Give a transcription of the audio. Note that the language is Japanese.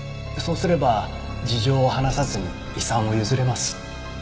そうすれば事情を話さずに遺産を譲れます。